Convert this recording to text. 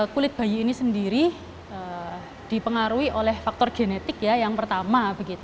kulit bayi ini sendiri dipengaruhi oleh faktor genetik yang pertama